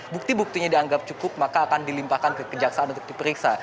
bukti buktinya dianggap cukup maka akan dilimpahkan ke kejaksaan untuk diperiksa